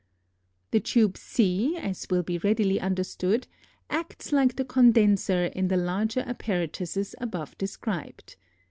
The tube C, as will be readily understood, acts like the condenser in the larger apparatuses above described.